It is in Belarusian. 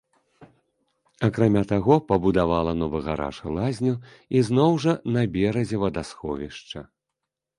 Акрамя таго, пабудавала новы гараж і лазню, ізноў жа, на беразе вадасховішча.